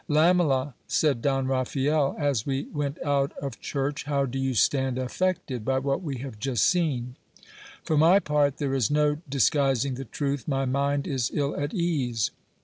Lamela, said Don Raphael, as we went out of church, how do you stand affected by what we have just seen ? For my part, there is no disguising the truth, my mind is ill at ease.